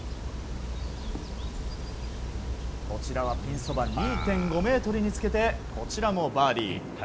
こちらはピンそば２．５ｍにつけこれもバーディー。